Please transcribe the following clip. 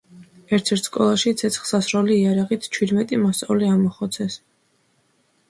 ერთ-ერთ სკოლაში ცეცხლსასროლი იარაღით ჩვიდმეტი მოსწავლე ამოხოცეს.